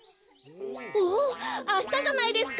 おおあしたじゃないですか！